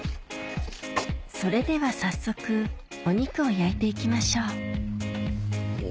それでは早速お肉を焼いて行きましょうお！